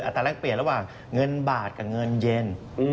ตอนแรกเปลี่ยนระหว่างเงินบาทกับเงินเย็น